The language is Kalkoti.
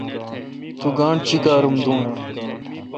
تو گانٹھ چیکّارام دون۔